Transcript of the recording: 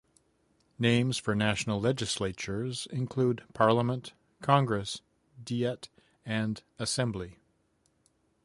Names for national legislatures include "parliament", "congress", "diet" and "assembly".